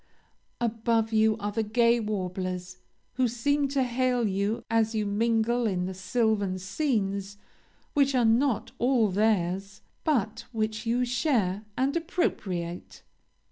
Above you are the gay warblers, who seem to hail you as you mingle in the sylvan scenes which are not all theirs, but which you share and appropriate.